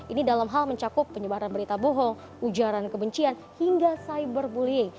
ini dalam hal mencakup penyebaran berita bohong ujaran kebencian hingga cyberbullying